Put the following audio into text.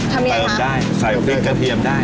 พิมพ์ได้ใส่พริกกระเทียมได้